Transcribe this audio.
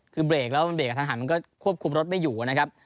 คือเบรกแล้วมันเรกกับทางหันมันก็ควบคุมรถไม่อยู่นะครับ